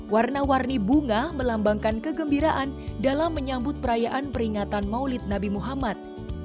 warna warni bunga melambangkan kegembiraan dalam menyambut perayaan peringatan maulid nabi muhammad